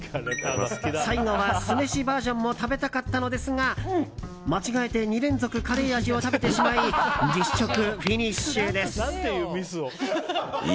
最後は酢飯バージョンも食べたかったのですが間違えて２連続カレー味を食べてしまい実食フィニッシュです。